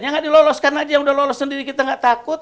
ya nggak diloloskan aja yang udah lolos sendiri kita nggak takut